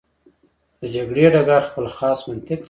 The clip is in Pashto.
د جګړې ډګر خپل خاص منطق لري.